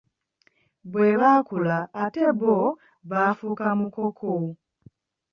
Bwe bakula ate bo bafuuka mukoko.